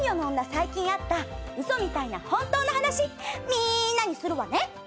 最近あった嘘みたいな本当の話みんなにするわね。